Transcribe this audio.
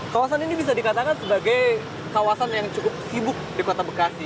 kawasan ini bisa dikatakan sebagai kawasan yang cukup sibuk di kota bekasi